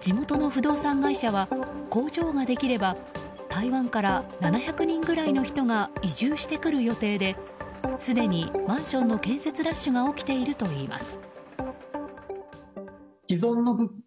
地元の不動産会社は工場ができれば台湾から７００人ぐらいの人が移住してくる予定ですでにマンションの建設ラッシュが起きているといいます。